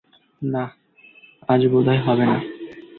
না, আজ বোধহয় হবে না।